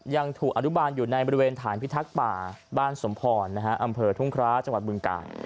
ยังถูกอนุบาลอยู่ในบริเวณฐานพิทักษ์ป่าบ้านสมพรอำเภอทุ่งคร้าจังหวัดบึงกาล